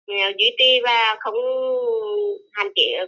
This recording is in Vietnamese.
nếu giữ tiềm và không hạn chế không nguy cơ